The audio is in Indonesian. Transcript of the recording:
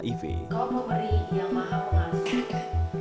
kau pemerik yang mahal langsung